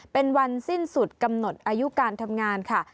เป็นวันสิ้นสุดกำหนดอายุการทำงานค่ะ